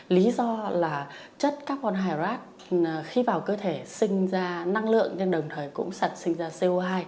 lý do là chất carbon hydrate khi vào cơ thể sinh ra năng lượng nhưng đồng thời cũng sẵn sinh ra co hai